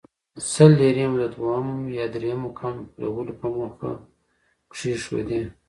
سل لیرې مو د دویم یا درېیم مقام خپلولو په موخه کېښودې.